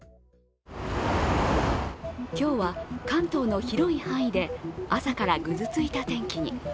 今日は関東の広い範囲で朝からぐずついた天気に。